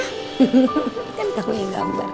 kan kamu yang gambar